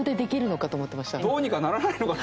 どうにかならないのかな？